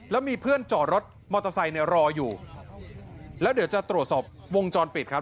แล้วมีเพื่อนจอดรถมอเตอร์ไซค์เนี่ยรออยู่แล้วเดี๋ยวจะตรวจสอบวงจรปิดครับ